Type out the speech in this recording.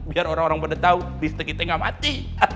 biar orang orang bener tau listrik kita gak mati